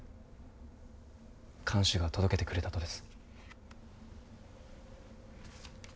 看守が届けてくれたとです。